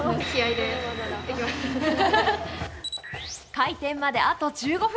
開店まで、あと１５分。